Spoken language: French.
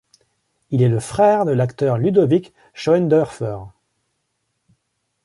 Il est le frère de l'acteur Ludovic Schoendoerffer.